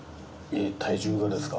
えっ体重がですか？